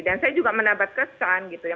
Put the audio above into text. dan saya juga menambat kesan gitu ya